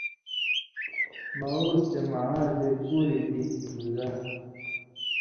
معوذ تے معاذے کُورِی دِیچھی گزار